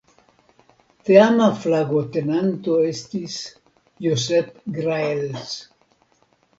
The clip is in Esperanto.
Teama flagotenanto estis "Josep Graells".